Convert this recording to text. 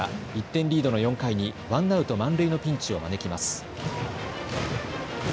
１点リードの４回にワンアウト満塁のピンチを招きます。